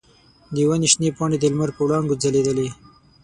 د ونې شنې پاڼې د لمر په وړانګو ځلیدلې.